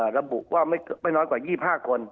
ระบุว่าไม่น้อยกว่า๒๕คน